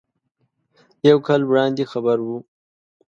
یو کال وړاندې خبر و.